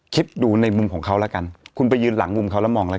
คิดดูในมุมของเขาแล้วกันคุณไปยืนหลังมุมเขาแล้วมองแล้ว